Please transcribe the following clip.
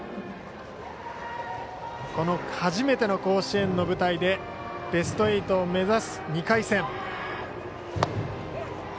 この初めての甲子園の舞台でベスト８を目指す、２回戦。